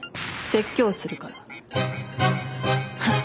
説教するからフン」。